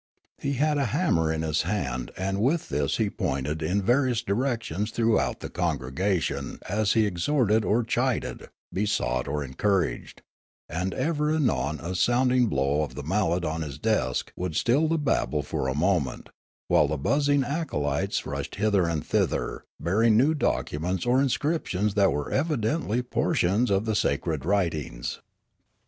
He had a hammer in his hand and with this he pointed in various directions throughout the congregation as he exhorted or chided, besought or encouraged ; and ever and anon a sound ing blow of the mallet on his desk would still the babel for a moment, while the buzzing acolytes rushed hither and thither bearing new documents or inscriptions that were evidently portions of the sacred writings.